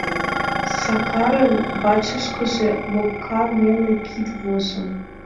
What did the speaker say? Сакарын вачышкыже лопка, неле кид возо.